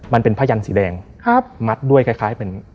มันเป็นผ้ายันสีแดงมัดด้วยคล้ายเป็น